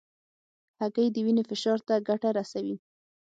هګۍ د وینې فشار ته ګټه رسوي.